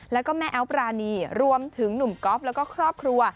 แล้วก็แม่แอ๊วปรานีรวมถึงหนุ่มก๊อฟแล้วก็ครอบครัว